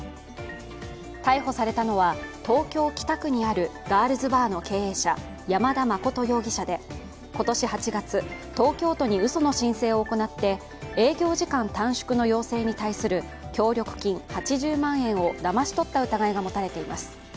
逮捕されたのは、東京・北区にあるガールズバーの経営者、山田誠容疑者で今年８月、東京都にうその申請を行って営業時間短縮の要請に対する協力金、８０万円をだまし取った疑いが持たれています。